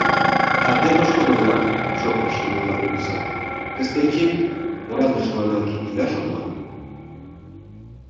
— А те, пошкудо-влак, — шоктыш Емела кугыза, — Кыстинчим орадыжланак ида шотло.